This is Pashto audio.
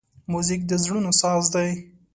موزیک د زړونو ساز دی.